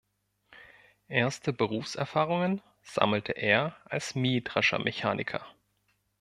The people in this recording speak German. Erste Berufserfahrungen sammelte er als Mähdreschermechaniker.